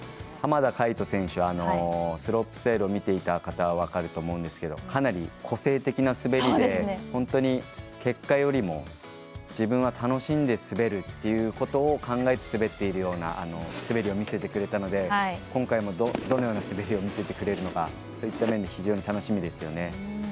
浜田海人選手はスロープスタイルを見ていた方分かると思うんですがかなり個性的な滑りで本当に、結果よりも自分は楽しんで滑るってことを考えて滑っているような滑りを見せてくれたので今回も、どのような滑りを見せてくれるのかそういった面非常に楽しみですよね。